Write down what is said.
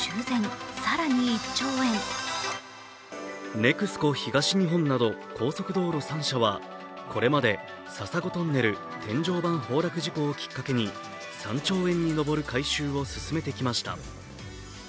ＮＥＸＣＯ東日本など高速道路３社はこれまで笹子トンネル天井板崩落事故をきっかけに３兆円に上る改修を進めてきました